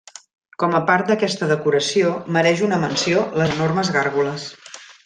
Com a part d'aquesta decoració mereix una menció les enormes gàrgoles.